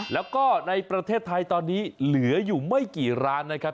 แล้วก็ในประเทศไทยตอนนี้เหลืออยู่ไม่กี่ร้านนะครับ